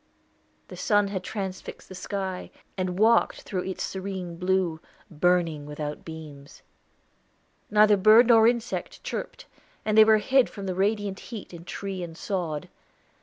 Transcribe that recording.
The sun had transfixed the sky, and walked through its serene blue, "burning without beams." Neither bird nor insect chirped; they were hid from the radiant heat in tree and sod.